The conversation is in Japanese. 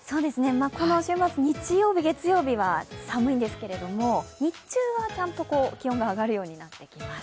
この週末、日曜日、月曜日は寒いんですけれども、日中はちゃんと気温が上がるようになっています。